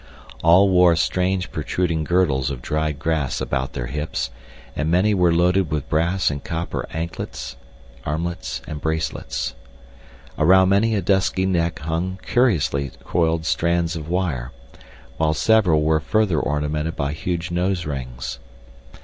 All wore strange protruding girdles of dried grass about their hips and many were loaded with brass and copper anklets, armlets and bracelets. Around many a dusky neck hung curiously coiled strands of wire, while several were further ornamented by huge nose rings.